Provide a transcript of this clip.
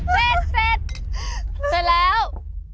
เสร็จแล้ว